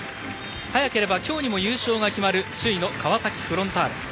早ければきょうにも優勝が決まる首位の川崎フロンターレ。